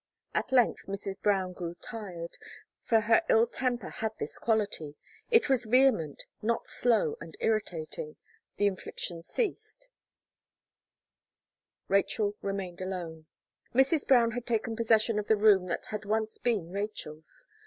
At length, Mrs. Brown grew tired, for her ill temper had this quality it was vehement, not slow and irritating, the infliction ceased Rachel remained alone. Mrs. Brown had taken possession of the room that had once been Rachel's.